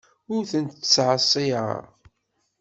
Ur tent-ttṣeɛṣiɛeɣ.